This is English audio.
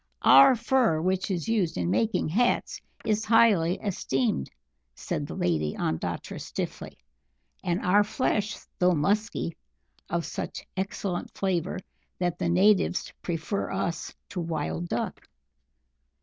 "Our fur, which is used in making hats, is highly esteemed," said the Lady Ondatra stiffly, "and our flesh, though musky, of such excellent flavour that the natives prefer us to Wild Duck."